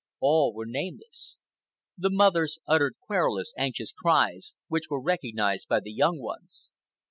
All were nameless. The mothers uttered querulous, anxious cries, which were recognized by the young ones.